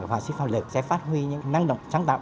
họa sĩ phạm lực sẽ phát huy những năng động sáng tạo